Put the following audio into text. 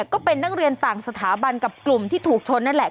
ก็เป็นนักเรียนต่างสถาบันกับกลุ่มที่ถูกชนนั่นแหละ